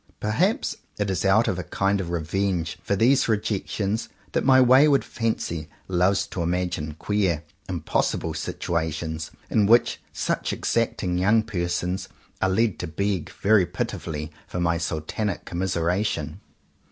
Perhaps it is out of a kind of revenge for these rejections that my wayward fancy loves to imagine queer im possible situations in which such exacting 104 JOHN COWPER POWYS young persons are led to beg very pitifully for my Sultanic commiseration.